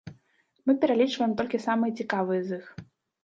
Мы пералічваем толькі самыя цікавыя з іх.